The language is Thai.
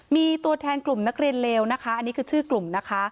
มีตัวแทนกลุ่มนักเรียนเลวนะคะอันนี้คือชื่อกลุ่มนะคะ